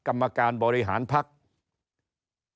กรรมการบริหารภักดิ์